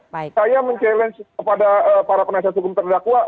saya mencabar kepada para penasihat hukum terdakwa